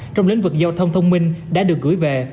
trong lĩnh vực giao thông thông minh đã được gửi về